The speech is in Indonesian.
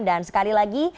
dan sekali lagi